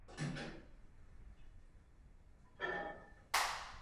Je tu pro ideologii, nebo pro lidi?